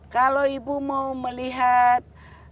kalau ibu mau melihat